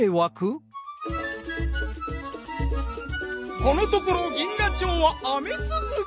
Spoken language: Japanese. このところ銀河町は雨つづき。